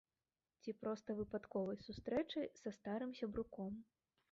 Ці проста выпадковай сустрэчай са старым сябруком.